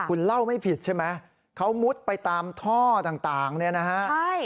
คุณเล่าไม่ผิดใช่ไหมเขามุดไปตามท่อต่างเนี่ยนะฮะใช่